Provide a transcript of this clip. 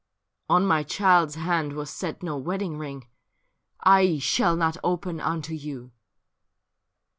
' On my child's hand was set no wedding ring ; I shall not open unto you.'